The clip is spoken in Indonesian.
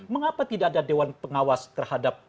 mengapa tidak ada dewan pengawas terhadap